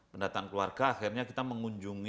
pendataan keluarga akhirnya kita mengunjungi